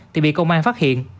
thì bị công an phát hiện